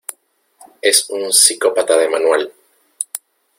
Es un psicópata de manual.